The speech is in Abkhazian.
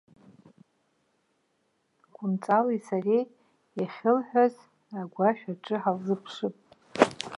Кәынҵали сареи иахьылҳәаз агәашә аҿы ҳаалзыԥшып.